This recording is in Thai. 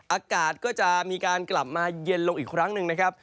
อากาศก็จะมีการกลับมาเย็นลงอีกครั้งหนึ่งนะครับ